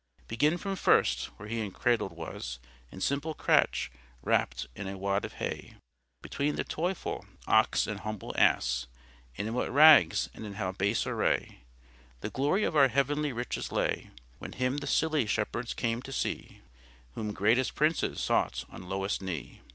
Beginne from first, where He encradled was In simple cratch, wrapt in a wad of hay, Betweene the toylfull oxe and humble asse, And in what rags, and in how base array, The glory of our heavenly riches lay, When Him the silly shepheards came to see, Whom greatest princes sought on lowest knee.